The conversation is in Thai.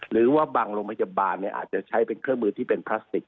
หรือว่าบางโรงพยาบาลอาจจะใช้เป็นเครื่องมือที่เป็นพลาสติก